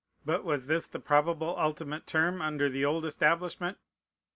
But was this the probable ultimate term under the old establishment?